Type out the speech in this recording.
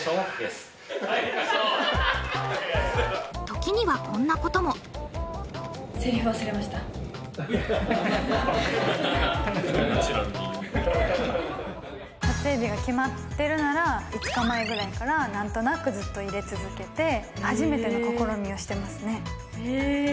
時にはこんなことも撮影日が決まってるなら５日前ぐらいから何となくずっと入れ続けてへえ初めての試みをしてますねえっ